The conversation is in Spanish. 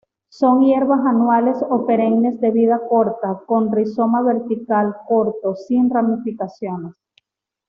Son hierbas anuales o perennes de vida corta, con rizoma vertical, corto, sin ramificaciones.